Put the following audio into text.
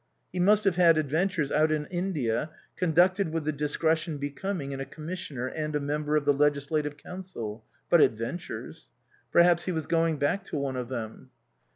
He must have had adventures out in India, conducted with the discretion becoming in a Commissioner and a Member of the Legislative Council, but adventures. Perhaps he was going back to one of them.